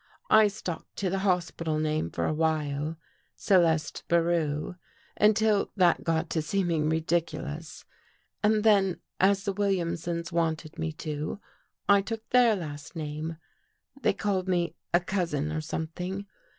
" I stuck to the hospital name for a while — Celeste Biroux — until that got to seeming ridiculous. And then, as the Williamsons wanted me to, I took their last name. They called me a cousin or something.